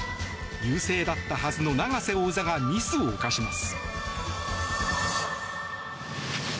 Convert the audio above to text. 優勢だったはずの永瀬王座がミスを犯します。